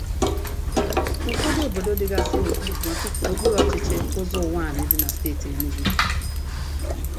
N'ụfọdụ obodo dịgasị n'okpuru ọchịchị Ụzọ-Ụwanị dị na steeti Enugu